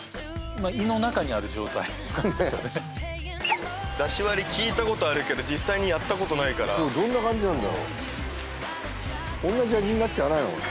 胃の中にある状態ですよね出汁割り聞いたことあるけど実際にやったことないからそうどんな感じなんだろ同じ味になっちゃわないのかな